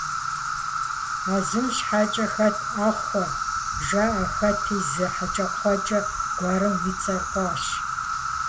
А зым щхьэкӀэ хэт Ӏэхъуэ, жаӀэ, хэти зы хьэкӀэкхъуэкӀэ гуэрым и цӀэр фӀащ.